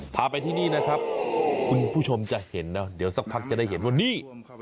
พาไปที่นี่นะครับคุณผู้ชมจะเห็นนะเดี๋ยวสักพักจะได้เห็นว่านี่